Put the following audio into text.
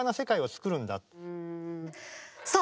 さあ